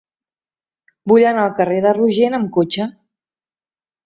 Vull anar al carrer de Rogent amb cotxe.